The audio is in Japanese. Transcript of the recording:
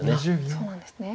そうなんですね。